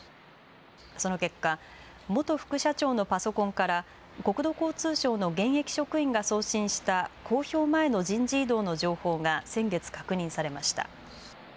その結果、元副社長のパソコンから国土交通省の現役職員が送信した公表前の人事異動の情報が先月確認されました。